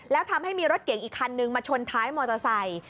แล้วทำให้มีรถเก่งอีกคันนึงมาชนท้ายมอเตอร์ไซค์